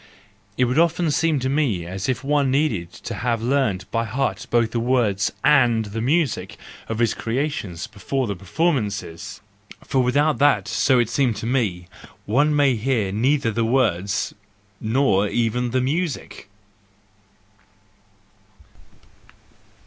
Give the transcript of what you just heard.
It would often seem to me as if one needed to have learned by heart both the words and the music of his creations before the performances; for without that—so it seemed to me—one may hear neither the words, nor even the music.